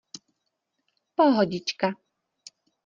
Pohodička.